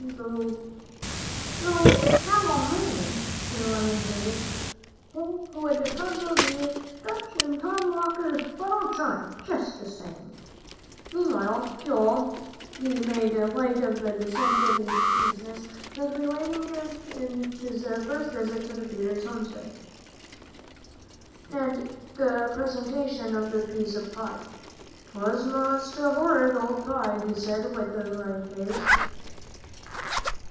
"Though how I'll manage," she lamented, "would puzzle the Dutch and Tom Walker. But I'll try, just the same." Meanwhile, Joel, though he made light of the cent business, was relating his visit to the Peters' homestead, and the presentation of the piece of pie. "'Twas most horrid old pie," he said, with a wry face.